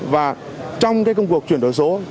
và trong công cuộc chuyển đổi số